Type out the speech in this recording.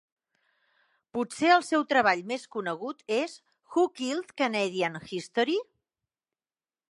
Potser el seu treball més conegut és Who Killed Canadian History?